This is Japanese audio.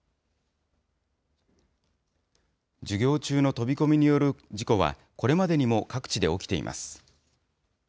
授業中の飛び込みによる事故は、これまでにも各地で起きています。